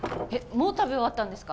もう食べ終わったんですか？